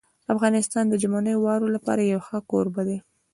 افغانستان د ژمنیو واورو لپاره یو ښه کوربه دی.